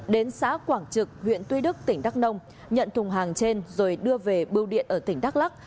đến xã quảng trực huyện tuy đức tỉnh đắk nông nhận thùng hàng trên rồi đưa về bưu điện ở tỉnh đắk lắc